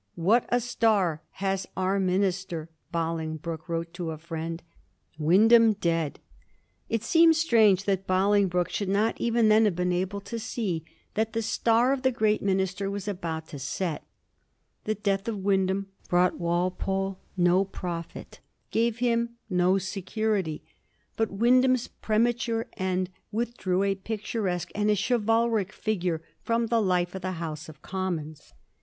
" What a star has our Minister," Bolingbroke wrote to a friend —" Wyndham dead !" It seems strange 180 A BISTORT OF THE FOUR 0E0R6ES. ch. zxzil that Bolingbroke should not even then have been able to se^ that the star of the great minister was about to set. The death of Wyndham brought Walpole no profit ; gave him no security. But Wyndham's premature end with drew a picturesque and a chivalric figure from the life of the House of Commons.